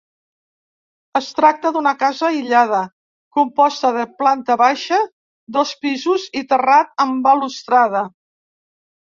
Es tracta d'una casa aïllada, composta de planta baixa, dos pisos i terrat amb balustrada.